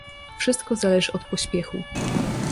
"Wszystko zależy od pośpiechu."